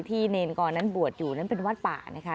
เนรกรนั้นบวชอยู่นั้นเป็นวัดป่านะคะ